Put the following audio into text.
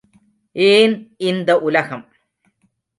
ஏன் இந்த உலகம்?